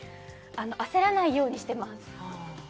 焦らないようにしてます。